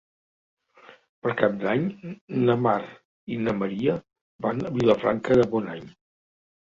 Per Cap d'Any na Mar i na Maria van a Vilafranca de Bonany.